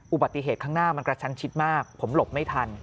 อุบัติเหตุข้างหน้ามันกระชันชิดมากผมหลบไม่ทัน